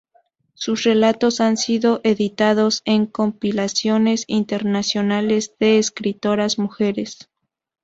Sus relatos han sido editados en compilaciones internacionales de escritoras mujeres.